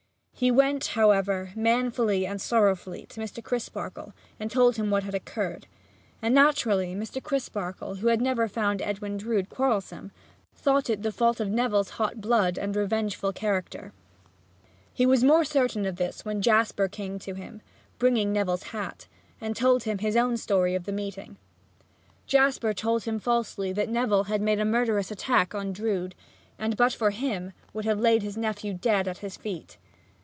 He went, however, manfully and sorrowfully to Mr. Crisparkle and told him what had occurred, and naturally Mr. Crisparkle, who had never found Edwin Drood quarrelsome, thought it the fault of Neville's hot blood and revengeful character. He was the more certain of this when Jasper came to him, bringing Neville's hat, and told him his own story of the meeting. Jasper told him falsely that Neville had made a murderous attack on Drood, and but for him would have laid his nephew dead at his feet.